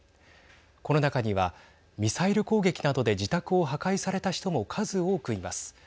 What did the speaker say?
この中には、ミサイル攻撃などで自宅を破壊された人も数多くいます。